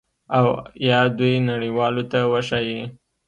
او یا دوی نړیوالو ته وښایي